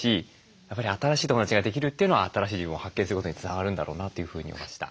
やっぱり新しい友だちができるというのは新しい自分を発見することにつながるんだろうなというふうに思いました。